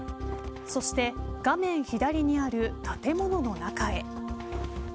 そして画面左にある建物の中へ。